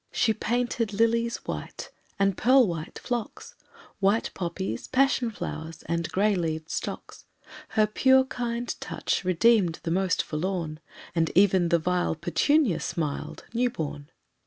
She painted lilies white, and pearl white phlox, White poppies, passion flowers and gray leaved stocks. Her pure kind touch redeemed the most forlorn, And even the vile petunia smiled, new born.